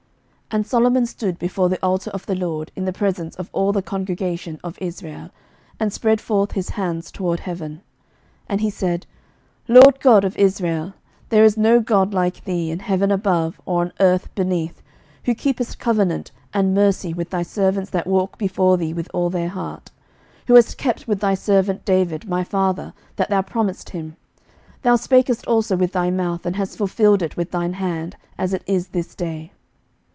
11:008:022 And Solomon stood before the altar of the LORD in the presence of all the congregation of Israel, and spread forth his hands toward heaven: 11:008:023 And he said, LORD God of Israel, there is no God like thee, in heaven above, or on earth beneath, who keepest covenant and mercy with thy servants that walk before thee with all their heart: 11:008:024 Who hast kept with thy servant David my father that thou promisedst him: thou spakest also with thy mouth, and hast fulfilled it with thine hand, as it is this day.